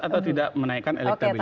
atau tidak menaikan elektabilitas